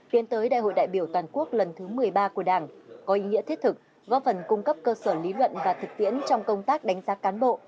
tiến tới đại hội đại biểu toàn quốc lần thứ một mươi ba của đảng có ý nghĩa thiết thực góp phần cung cấp cơ sở lý luận và thực tiễn trong công tác đánh giá cán bộ